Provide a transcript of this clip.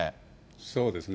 そうですね。